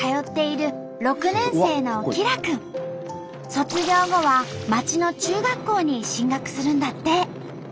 卒業後は町の中学校に進学するんだって。